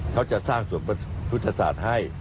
เขาจะสร้างส่วนพุทธศาสตร์ให้